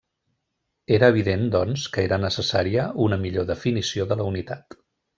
Era evident, doncs, que era necessària una millor definició de la unitat.